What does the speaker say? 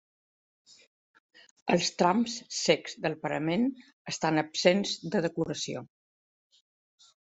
Els trams cecs del parament estan absents de decoració.